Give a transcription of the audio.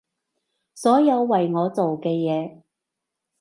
所有為我做嘅嘢